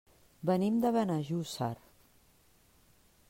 Venim de Benejússer.